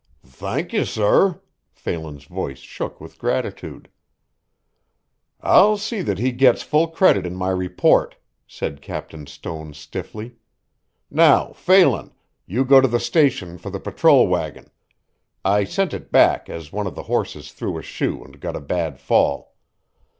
"Thank ye, sorr." Phelan's voice shook with gratitude. "I'll see that he gets full credit in my report," said Captain Stone stiffly. "Now, Phelan, you go to the station for the patrol wagon. I sent it back, as one of the horses threw a shoe and got a bad fall.